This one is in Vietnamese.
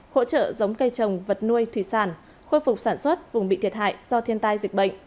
hỗ trợ giống cây trồng vật nuôi thủy sản khôi phục sản xuất vùng bị thiệt hại do thiên tai dịch bệnh